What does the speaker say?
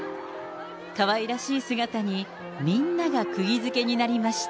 かわいらしい姿にみんながくぎ付けになりました。